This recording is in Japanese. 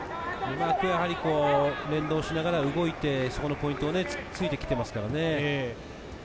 連動しながら動いて、そこのポイントを突いて来ています。